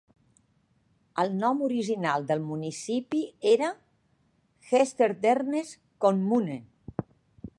El nom original del municipi era Herstedernes Kommune.